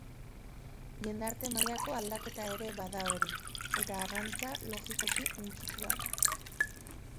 Jendarte mailako aldaketa ere bada hori, eta arrantza logikoki hunkitua da.